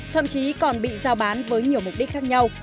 thậm chí còn bị giao bán với nhiều mục đích khác nhau